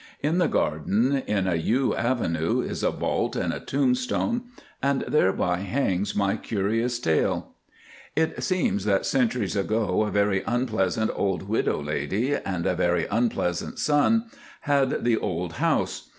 In the garden, in a yew avenue, is a vault and a tombstone, and thereby hangs my curious tale. It seems that centuries ago a very unpleasant old widow lady, and a very unpleasant son, had the old house.